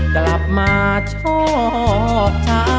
กลับมาชอบช้า